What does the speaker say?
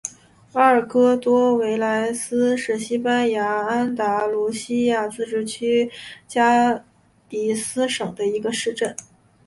阿尔戈多纳莱斯是西班牙安达卢西亚自治区加的斯省的一个市镇。